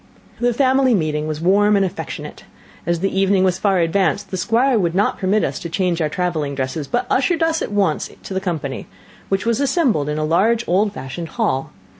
The family meeting was warm and affectionate; as the evening was far advanced, the Squire would not permit us to change our travelling dresses, but ushered us at once to the company, which was assembled in a large old fashioned hall.